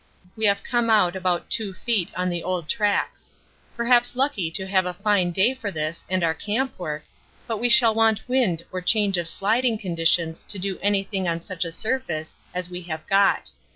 We have come out about 2' on the old tracks. Perhaps lucky to have a fine day for this and our camp work, but we shall want wind or change of sliding conditions to do anything on such a surface as we have got.